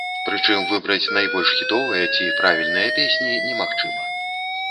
Прычым, выбраць найбольш хітовыя ці правальныя песні немагчыма.